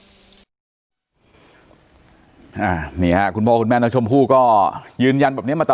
อ่านี่ฮะคุณโบ้คุณแม่นักชมผู้ก็ยืนยันแบบเนี้ยมาเต็ม